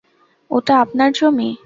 ওটা আপনার জমি?